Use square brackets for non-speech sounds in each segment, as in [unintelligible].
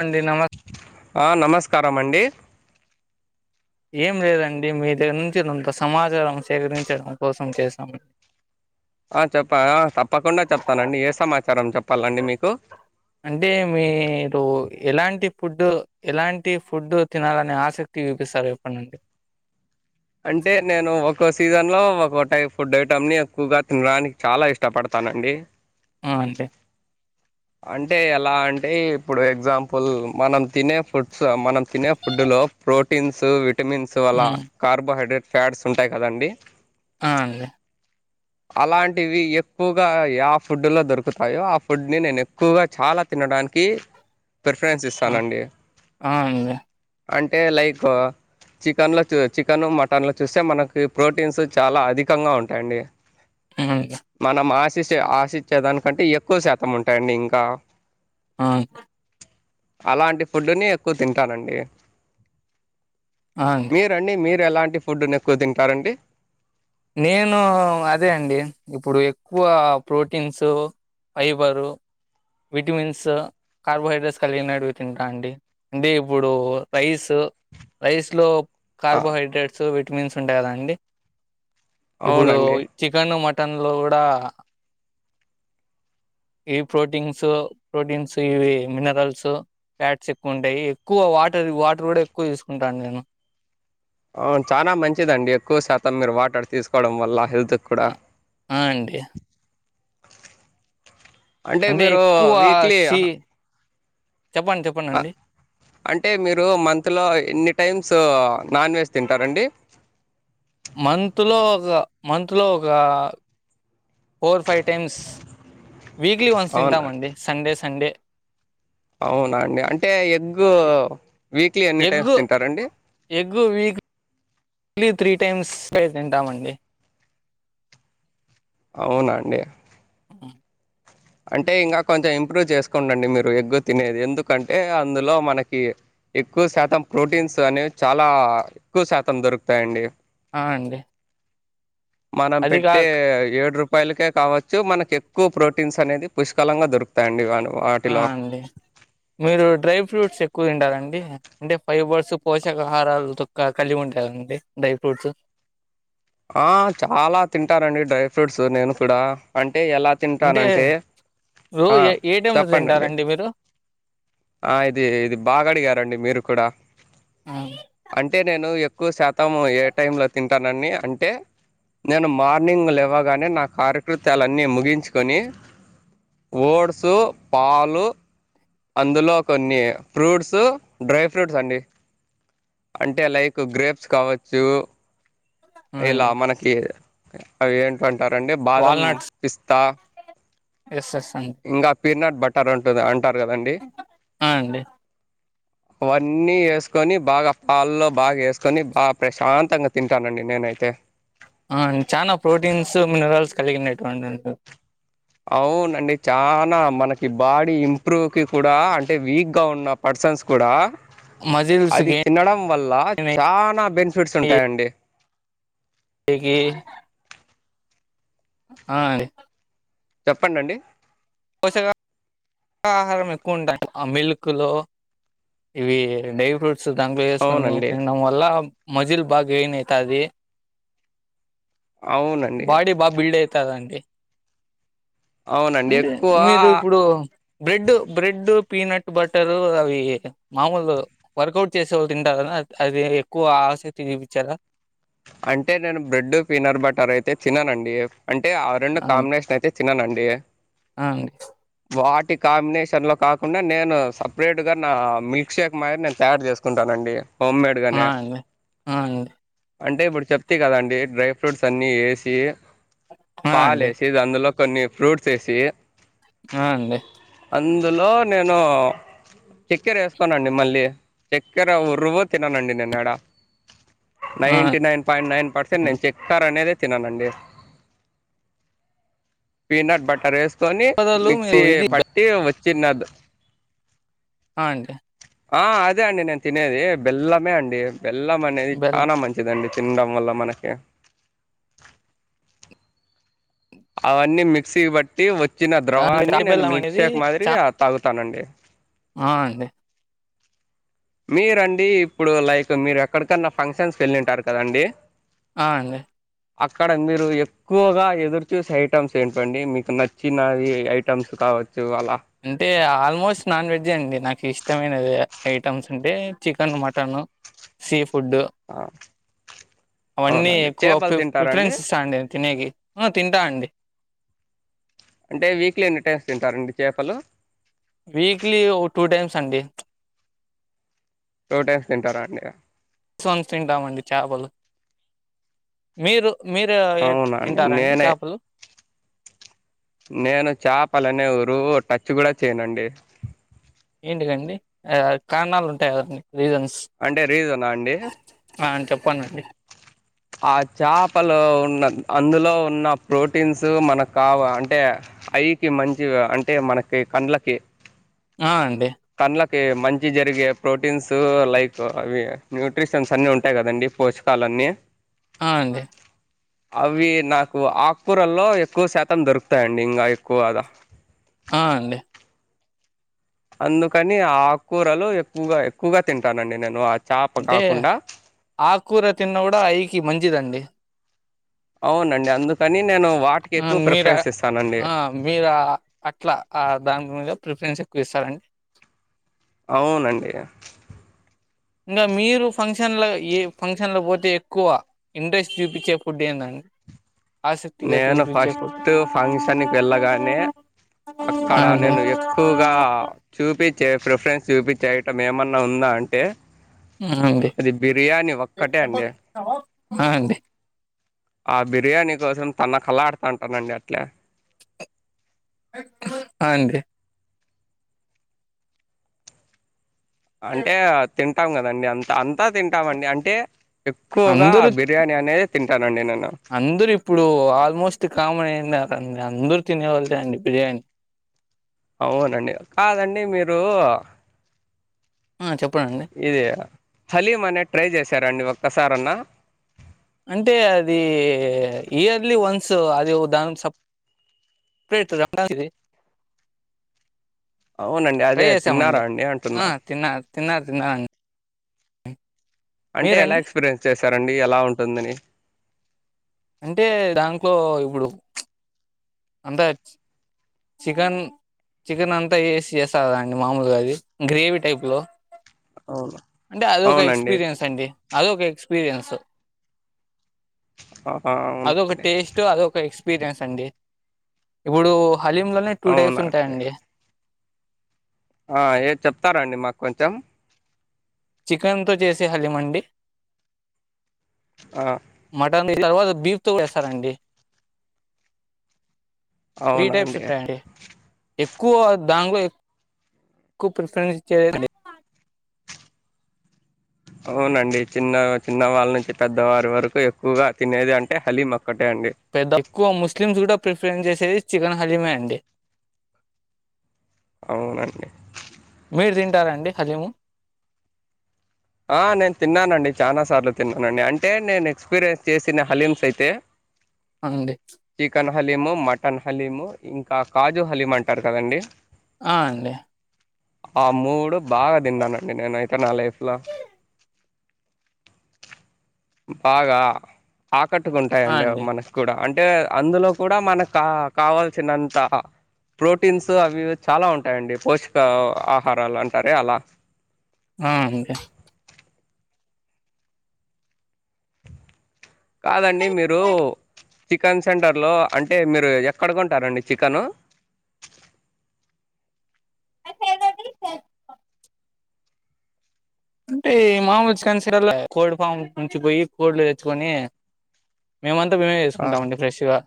అండి నమ ఆ నమస్కారమండి ఏం లేదండి మీ దగ్గర నుంచి కొంత సమాజారం సేకరించడం కోసం చేశాం [inaudible] ఆ చెప్ప ఆ తప్పకుండా చెప్తానండి ఏ సమాచారం చెప్పాలండి మీకు అంటే మీరు ఎలాంటి ఫుడ్ ఎలాంటి ఫుడ్ తినాలని ఆస క్తివిపిస్తారు చెప్పండి అంటే అంటే నేను ఒక్కో సీజన్ లో ఒక్కొ టైప్ ఫుడ్ ఐటం ని ఎక్కువగా తినడానికి చాలా ఇష్టపడతాను తనండి ఆ అంతే అంటే ఎలా అంటే ఇప్పుడు ఎగ్జాంపుల్ మనం తినే ఫుడ్స్ మనం తినే ఫుడ్లో లో ప్రోటీన్స్ విటమిన్స్ అల హ్మ్. కార్బోహైడ్రేట్ ఫ్యాట్స్ ఉంటాయి కదండి ఆ అండి అలాంటివి ఎక్కువగా యా ఫుడ్ లో దొరుకుతాయో ఆ ఫుడ్ ని నేను ఎక్ ఎక్కువగా చాలా తినడానికి ప్రిఫరెన్స్ ఆ ఇస్తానండి అండి అండి అంటే లైక్ చికెన్ లో చ చికెన్ మటన్ లో చూస్తే మనకి ప్రోటీన్స్ చాలా అధికంగా ఉంటాయండి హ్మ్. మనం ఆశించే ఆశించే దానికంటే ఎక్కువ శాతం ఉంటాయండి ఇం క ఆ అలాంటి ఫుడ్డుని ఎక్కువ తింటానండి ఆ! అండి మీరండి మీరు ఎలాంటి ఫుడ్ ని ఎక్కువ తింటారండి నేను అదే అండి ఇప్పుడు ఎక్కువ ప్రోటీన్స్ ఫైబరు విటమిన్స్ కార్బోహైడ్రేట్స్ కలిగినటట్వి తింటా అండి అంటే ఇప్పుడు రైస్ రైస్ లో ఆ! కార్బోహైడ్రేట్స్ విటమిన్స్ ఉంటాయి కదా అండి ఇప్పుడు అవునండి చికెన్ మ మట్టన్ లో కూడా ఈ ప్రోటీన్సు ప్రోటీన్స్ ఇవి మినరల్స్ ప్యాట్స్ ఎక్కువ ఉంటాయి ఎక్కువ వాటర్ వాటర్ కూడా ఎక్కువ తీసుకుంటా అండి నేను అవును చానా మంచిదండి ఎక్కువ శాతం మీరు వాటర్ తీసుకోవడం వల్ల హెల్త్ ఆ అండి అంటే మీరు ఎక్కువ వీక్లీ సి చెప్పండి చెప్పండి అండి అంటే మీరు మంత్లో ఎన్ని టైమ్స్ నాన్ వెజ్ తింటారండి మంత్ లో ఒక మంత్ లో ఒక four five times weekly once అవునండి తింటామండి సండే సండే అవునా అండి అంటే ఎగ్ వీక్లీ ఎన్ని టైమ్స్ తింటారండి egg weekly three times తింటామండి అవునాండి ఊ అంటే ఇంకా కొంచెం ఇంప్రూవ్ చేసుకోండండి మీరు ఎగ్గు తినేది ఎందుకంటే అందులో మనకి ఎక్కువ శాతం ప్రోటీన్స్ అనేవి చాలా ఎక్కువ శాతం దొరుకుతాయండి ఆ అండి మనం అది పెట్టే కాక ఏడు రూపాయలకే కావచ్చు మనకు ఎక్కువ ప్రోటీ స్ అనేది పుష్కలంగా దొకుతాయండి‌ ఇవాళ ఆ అండి మీరు డ్రై ఫ్రూట్స్ ఎక్కువ తిండాలండి అంటే ఫైబర్స్ పోషక ఆహారాలు తొ కలిగి ఉంటాందండి డ్రై ఫ్రూట్స్ ఆ చాలా తింటారండి డ్రై ఫ్రూట్స్ నేను కూడా అంటే అంటే ఎలా అంటే తింటానంటే రో ఆ ఏ ఏ టైమ్ లో తప్పండి తింటారండి మీరు ఆ ఇది ఇది బాగాడిగారండి మీరు కూడా ఆ! అంటే నేను ఎక్కువ శాతం ఏ టైంలో తింటానని అంటే నేను మార్నింగ లేవ్వగానే నా కార్యకృతాలన్ని ముగించుకొని ఓడ్సు పాలు అందులో కొన్ని ఫ్రూట్స్ డ్రై ఫ్రూట్స్ అండి అంటే లైక్ గ్రేప్స్ కావచ్చు ఆ! ఇలా అండి మనకి అవి ఏంటంటారండి బాదం వాల్నట్స్ పిస్తా ఎస్ ఎస్ అన్ ఇంకా పీనట్ బటర్ ఉంటుంది అంటారు కదండి ఆ అండి అవన్నీ వేసుకొని బాగా పాల్లో బాగా వేసుకొని బాగా ప్రశాంతంగా తింటానండి నేను అయితే ఆ చానా ప్రోటీన్స్ మినరల్స్ కలిగినటువంటి అవునండి చనా మనకి బాడీ ఇంప్రూవ్ కి కూడా అంటే వీక్ గా ఉన్న పర్సన్స్ కూడా మజిల్స్ అది గెయిన్ తినడం వల్ల చనా బెనిఫిట్స్ ఉంటాయండి ఇకీ ఆ అన్డి చెప్పండిండి పోసేగా ఆహారం ఎక్కువ ఉంటాయి ఆ మిల్క్ లో ఇవి డ్రై ఫ్రూట్ సో దాంట్లో వేసుకొని అవునండి. తినడం వల్ల మజిల్ బాగా ఎయిన్ ఐతాది అవునండి. బాడీ బా బిల్డ్ ఐతాదండి అవునండి ఎక్కువ మీరు ఇప్పుడు బ్రెడ్ బ్రెడ్ పీనట్ బట్టరు అవి మామూలు వర్కౌట్ చేసేవాళ్ళు తింటారు కదా అది ఎక్కువ ఆసే తిని పిచ్చేదా అంటే నేను బ్రెడ్ పీనట్ బటర్ అయితే తన్నానండి అంటే ఆ రెండు కాంబినేషన్ అయితే తిననండి అ అండి వాటి కాంబినేషన్ లో కాకుండా నేను సపరేట్గా నా మిల్క్ షేక్ మాది నేను తయారు చేసుకుంటానండి అ అండి ఆ అండి అంటే ఇప్పుడు చెప్త కదండి డ్రై ఫ్రూట్స్ అన్ని వేసి ఆ పాలు అండి వేసి అందులో కొన్ని ఫ్రూట్స్ వేసి ఆ అండి అందులో నేను చక్కెర వేసుకోనండి మళ్ళీ చక్కెర ఉరువ్ తిననండి నేనీడ ఆ అండి ఆ nine nine point nine percent అండి. నేను చెక్ అనేద తిననండి పీనట్ బటర్ రేస్ కొని పదాలు మీరు మిక్సీ ఇది బె- పట్టి వచ్చిన్నదు అ అండి ఆ అదే అండి నేను తినేది బెల్లమే అండి బెల్లం అనేది బెల్లం చాలా మంచి ండి తినడం వల్ల మనకి అవన్నీ మిక్సీ బట్టి వచ్చిన ఆ అంటే ద్రవాన్ని తాటి నేను బెల్లం మిల్క్ షేక్ మాదిరి తాగుతానండి అ అండి మీరండి ఇప్పుడు లైక్ మీరు ఎక్కడికన్నా ఫంక్షన్స్‌కి వెళ్ళింటారు కదండి ఆ అండి అక్కడ మీరు ఎక్కువగా ఎదురుచూసే ఐటెమ్స్ ఏంటండి మీకు నచ్చినవి ఐటమ్స్ కావ అంటే ఆల్మోస్ట్ నాన్వెజే అండి నాకు ఇష్టమైనది ఐటమ్స్ అంటే చికెన్ మటన్ సీ ఫుడ్డు ఆ అవన్నీ అవునండి ఎక్కువ చేపలు ఫి తింటారండి ప్రిఫరెన్స్ ఇస్తా అండి తినేకి తింటా అండి అంటే వీక్లీ ఎన్ని టైమ్స్ తింటారండి చేపలు వీక్లీ ఓ టూ టైమ్స్ అండి టూ టైమ్స్ తింటారా అండి [unintelligible] తింటామండి చేపలు మీరు మీరు అవునాండి తింటారండి నేనే చేపలు నేను చాపలనే ఊరు టచ్ కూడా చేయనండి ఏంటికండి ఆ కారణాలు ఉంటాయి కదండి రీజన్స్ అంటే రీజనా అండి ఆ చెప్పనండి ఆ చేపలో ఉన్న అందులో ఉన్న ప్రోటీన్స్ మనకు కావ అంటే ఐకి మంచిగ అంటే మనకి కండ్లకి ఆ అండి కంళ్డ్లకి మంచి జరిగే ప్రోటీన్స్ లైక్ అవి న్యూట్రిషన్స్ అన్ని ఉంటాయి కదండి పోస్కాలన్నీ అ అండి అవి నాకు ఆకుకూరల్లో ఎక్కువ శాతం దొరుకుతాయంండి ఇంకా ఎక్కువగా ఆ అండి అందుకని ఆకూరలు ఎక్కువగా ఎక్కువగా తింటానండి నేను చేప అంటే కాకుండా ఆకూర తిన్న కూడా ఐకి మంచిదండి అవునండి అందుకని నేను వాటికి ఆ ఎక్కువ మీర ప్రిఫరెన్స్ ఇస్తానండి ఆ మీరా అట్లా ఆ దానిమిద ప్రిఫరెన్స్ ఎ క్కువ ఇస్తారంండి అవునండి ఇంగ మీరు ఫంక్షన్ల ఏ ఫంక్షన్లో పోతే ఎక్కువ ఇంట్రెస్ట్ చూపించే ఫుడ్ ఏందండి [inaudible] నేను చూపించే ఫుడ్ ఫస్ట్ ఫంక్షన్‌కి వెళ్ళగానే ఆ అక్కడ నేను ఎక్కువగా చూపి చే ప్రిఫరెన్స్ చూపిచే ఐటం ఏమన్నా ఉందా అంటే అండి అది బిర్యానీ ఒక్కటే అండి ఆ అండి ఆ అండి ఆ బిర్యానీ కోసం తనకలాడుతాంటాను అండి అట్లే ఆ అండి అంటే తింటాం కదండి అంత అం త్త తింటామండి అంటే ఎక్కువగా ఆ అందరూ బిర్యానీ అనేది తింటానండి నేను ఓ ఆల్మోస్ట్ కామన్ అయింది అదండి అందరుూ తినేవోళ్ళే అండి బిర్యానీ అవునండి కాదండి మీరు ఆ చెప్పండి ఇది హలీమ్ అనేది ట్రై చేశారంండి ఒక్కసారన్నా అంటే అది ఇయర్లీ వన్స్ అది దానికి సప్ ప్రేట్ [unintelligible] అవునండి ట్రై అదే తిన్నారా చేసామండి అండి ఆ అంటున్నా తిన్నా తిన్న తిన్నం అంటే ఎలా ఎక్స్పీరియన్స్ చేస్తారండి ఎలా ఉంటుందని అంటే దాంట్లో ఇప్పుడు అంతా చికన్ చికెన్ అంతా ఏసి చేస్తారండి మామూలుగా అది గ్రేవీ టైప్లో. అవును అంటే అదొక అవునండి ఎక్స్పీరియన్స్ అండి అదొక ఎక్స్పీరియన్స్. ఆహా అదొక అవునండి టేస్ట్ అది ఒక ఎక్స్ పిరియన్స్ అండి ఇప్పుడు హలీమ్ లోనే టూ టైప్స్ అవునా అండి ఉంటాయండి. ఆ ఏది చెప్తారండి మాకు కొంచెం. చికెన్ తో చేసే హలీమండి. ఆ దీని తర్వాత బీఫ్ తో కూడా చేస్తారండి. త్రీ అవునా టైప్స్ అండి ఉంటాయండి. ఎక్కువ దానిలో ఎ క్కువ ప్రిఫరెన్స్ ఇచ్చేది [inaudible] హలీమ్ అవునండి చిన్న చిన్న వాళ్ళ నుంచి పెద్దవారి వరకు ఎక్కువగా తినేది అంటే హలీమ పెద్ద ఎక్కువ ముస్లిమ్స్ కూడా ప్రిఫరెన్స్ చేసేది చికెన్ హలీమే అండి. అవునండి. మీరు తింటారాండి హలిము? ఆ నేను తిన్నానండి చాలా సార్లు తిన్నానండి. అంటే నేను ఎక్స్పీరియన్స్ చేసిన హలీమ్స్ అయితే అండి. చికెన్ హలీము, మటన్ హలీము ఇంకా కాజుహలీము అంటారు కదండి. ఆ అండి. ఆ మూడు బాగా తిన్నానండి నేనైయితే నా లైఫ్లా. బాగా ఆ ఆ కట్టుకుంటాయండి అవి అండి మనకు కూడా. అంటే అందులో కూడా మనకు కా కావాల్సినంతా ప్రోటీన్స్ అవి ఇవి చాలా ఉంటాయండి. పోషక ఆహారాలు అంటారే అలా. ఆ అండి. కాదండి మీరు చికెన్ సెంటర్లో అంటే మీరు ఎక్కడ కొంటారండి చికెను? మై ఫేవరేట్ [inaudible] అంటే ఈ మామూలు స్కన్సిడర్లో కోడిఫామ్ నుంచి పోయి కోళ్లు తెచ్చుకొని మేమంతా మేమే ఆ చేసుకుంటామండి ఫ్రెష్ గా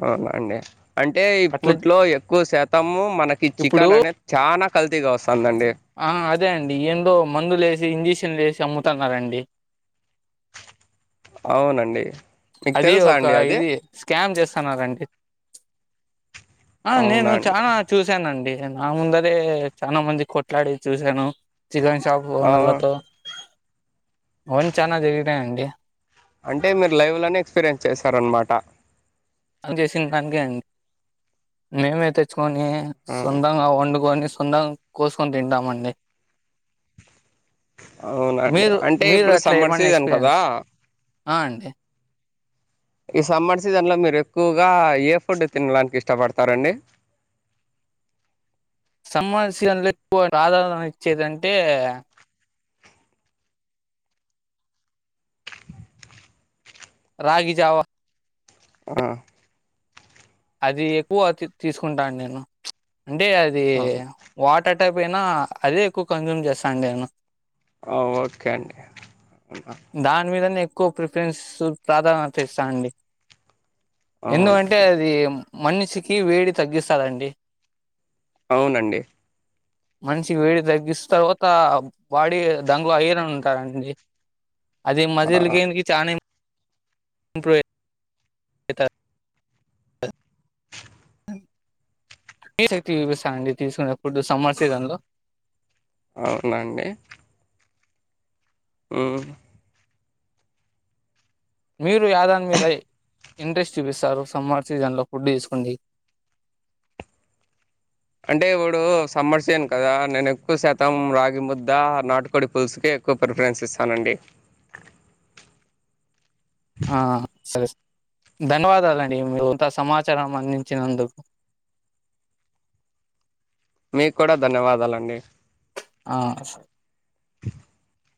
అవునా అండి అంటే అట్లా ఇప్పట్లో ఎక్కువ శాతము మనకి ఇప్పుడు చికెన్ అనేది చా నాకల్తీగా వస్ ఆ అదే అండి ఏందో మందులేసి, ఇంజెక్షన్లేసి అమ్ముతున్నారండి. అవునండి. మీకు అది తెలుసా ఒక అండి అది ఇది స్కామ్ చేస్తున్నారండి. ఆ అవునా నేను అండి చానా చూసానండి. నా ముందరే చానా మంది కొట్లాడేది చూసాను. చికెన్ షాప్ ఆ ఓనర్లతో అవన్ని చానా జరిగినాయండి. అంటే మీరు లైవ్లనే ఎక్స్పీరియన్స్ చేస్తారనమాట. అది చేసింది దానికే అండి. మేమే తెచ్చు కొని ఆ సొంతంగా వండుకొని, సొంతంగా కోసుకొని తింటామండి. అవునండి మీరు అంటే మీరు ఇప్పుడు అట్లా సమ్మర్ ఏమన్నా సీజన్ కదా ఎక్స్పీరియన్స్ ఆ అండి. ఈ సమ్మర్ సీజన్ల మీరు ఎక్కువగా ఏ ఫుడ్ తినడానికి ఇష్టపడతారండి. [inaudible] సీజన్లో ఎక్కువ ఆధార ఇచ్చేదింటే రాగి జావా ఆ అది ఎక్కువ తీసుకుంటాను నేను అంటే అది ఆ వాటర్ టైపైన అదే ఎక్కువ కన్స్యూమ్ చేస్తాను నేను ఆ ఓకే అండి దాని మీదనే ఎక్కువ ప్రిఫరెన్స్ ప్రాధాన్యత ఇస్తా అండి ఎందుకంటే అవునండి అది మనిషికి వేడి తగ్గిస్తదండి అవునండి మనిషికి వేడి తగ్గిస్త తర్వాత బాడీ దంగలో ఐరన్ ఉంటారండి అది ఆ మజిల్ గైన్ కి చాలా ఇంప్రూవ్ అయితది తీసక్తి చూపిస్తా అండి తీసుకున్నప్పుడు సమ్మర్ సీజన్ లో అవునాండి ఊ మీరు యాదానిమీద ఇంట్రెస్ట్ చూపిస్తారు సమ్మార్ సీజన్ లో ఫుడ్ చేసుకోండి అంటే ఇప్పుడు సమ్మర్ సీజన్ కదా నేను ఎక్కువ శాతం రాగి ముద్ద నాటుకోడి పులుసుకే ఎక్కువ ప్రిఫరెన్స్ ఇస్తానండి ఆ సరే ధన్యవాదాలండి మీరు ఇంత సమాచారం అందించినందుకు [inaudible] మీకు కూడా ధన్యవాదాలండి ఆ [inaudible]